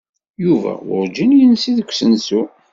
Yuba werǧin yensi deg usensu.